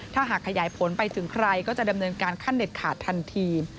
ถ้าหากขยายผลไปถึงใครก็จะดำเนินการขั้นเด็ดขาดทันที